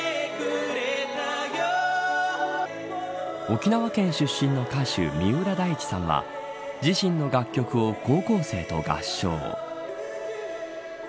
沖縄県出身の歌手三浦大知さんは自身の楽曲を高校生と合唱。